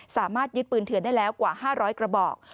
สามารถยึดปืนเถื่อนได้แล้วกว่า๕๐๐กระบอก